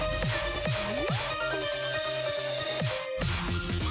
うん？